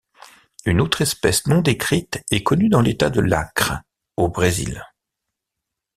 Une autre espèce non-décrite est connue dans l'État de l'Acre, au Brésil.